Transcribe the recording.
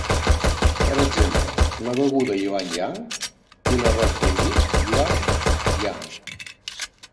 Per exemple, la beguda yuanyang i l'arròs fregit yuan-yang.